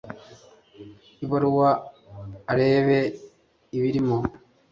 ibaruwa arebe ibirimo